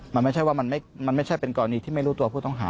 มันไม่ใช่ว่ามันไม่ใช่เป็นกรณีที่ไม่รู้ตัวผู้ต้องหา